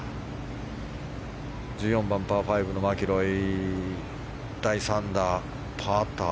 １４番、パー５のマキロイ第３打。